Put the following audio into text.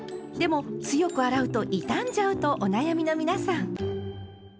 でも強く洗うと傷んじゃうとお悩みの皆さん。